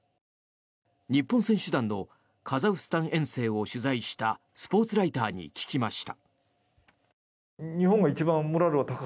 日本選手団のカザフスタン遠征を取材したスポーツライターに聞きました。